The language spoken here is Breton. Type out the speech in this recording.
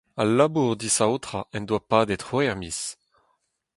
Al labour disaotrañ en doa padet c'hwec'h miz.